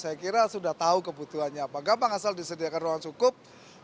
saya kira sudah tahu kebutuhannya apa gampang asal disediakan ruang cukup